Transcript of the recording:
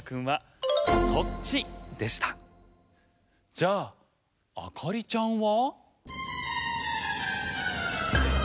じゃああかりちゃんは？